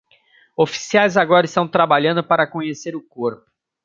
Oficiais agora estão trabalhando para conhecer o corpo.